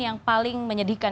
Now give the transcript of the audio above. yang paling menyedihkan